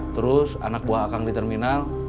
terus anak buah akang di terminal